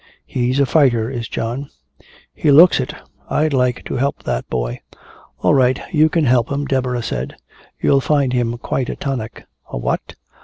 He's a fighter, is John." "He looks it. I'd like to help that boy " "All right you can help him," Deborah said. "You'll find him quite a tonic." "A what?"